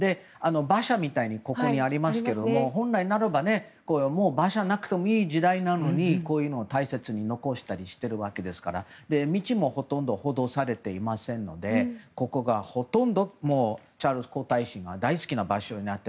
馬車みたいなものがありますけど、本来ならば馬車がなくてもいい時代なのにこういうのを大切に残したりしているわけですから道もほとんど舗装されていませんのでここはチャールズ国王が大好きな場所になって。